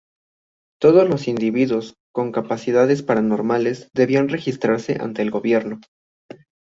Todos los individuos con capacidades paranormales debían registrarse ante el gobierno.